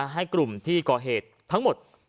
ให้กลุ่มที่ก่อเหตุทั้งหมด